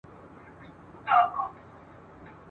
باسواده مور د کورنۍ لپاره ښه مشوره ورکوي.